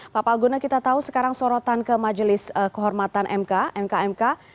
pak palguna kita tahu sekarang sorotan ke majelis kehormatan mk mkmk